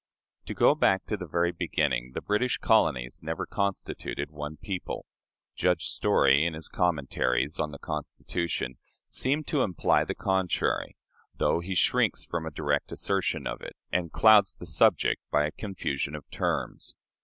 To go back to the very beginning, the British colonies never constituted one people. Judge Story, in his "Commentaries" on the Constitution, seems to imply the contrary, though he shrinks from a direct assertion of it, and clouds the subject by a confusion of terms.